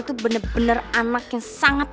itu bener bener anak yang sangat